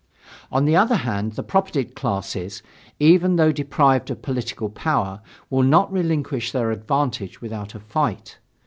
On the other hand, the propertied classes, even though deprived of political power, will not relinquish their advantages without a fight.